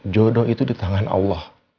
jodoh itu di tangan allah